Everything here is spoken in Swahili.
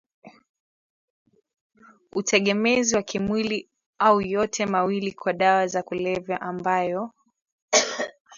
utegemezi wa kimwili au yote mawili kwa dawa za kulevya ambayo